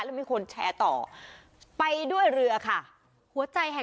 แล้วมมคลแชร์ต่อไปด้วยเรือค่ะ